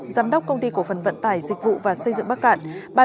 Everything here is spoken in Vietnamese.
giám đốc công ty cổ phần vận tải dịch vụ và xây dựng bắc cạn